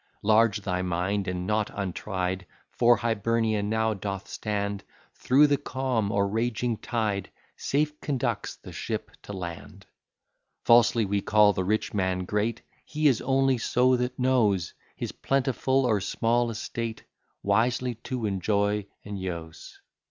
Large thy mind, and not untried, For Hibernia now doth stand, Through the calm, or raging tide, Safe conducts the ship to land. Falsely we call the rich man great, He is only so that knows His plentiful or small estate Wisely to enjoy and use.